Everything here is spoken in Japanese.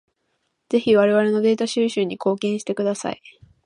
ぜひ我々のデータ収集に貢献してください。